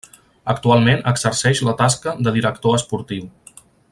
Actualment exerceix la tasca de director esportiu.